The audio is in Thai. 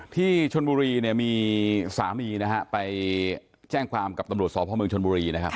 พี่ชนโบีมีสามีไปแจ้งความกับตำรวจศาลพลบเมืองชนโบบี